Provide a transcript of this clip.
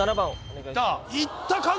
いった角！